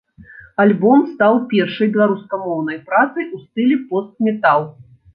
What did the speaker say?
Альбом стаў першай беларускамоўнай працай у стылі пост-метал.